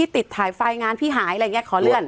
ติดถ่ายไฟงานพี่หายอะไรอย่างนี้ขอเลื่อน